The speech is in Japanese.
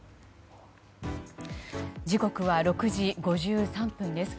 時刻は６時５３分です。